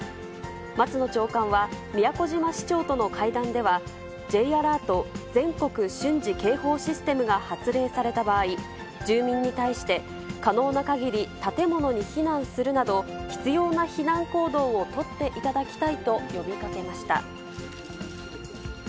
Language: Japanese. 松野長官は、宮古島市長との会談では、Ｊアラート・全国瞬時警報システムが発令された場合、住民に対して、可能な限り、建物に避難するなど、必要な避難行動を取っていただきたいと呼びかけました。